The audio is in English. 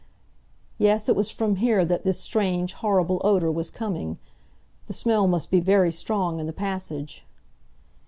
Yes, it was from here that this strange, horrible odor was coming; the smell must be very strong in the passage.